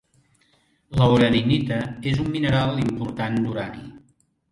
La uraninita és un mineral important d'urani.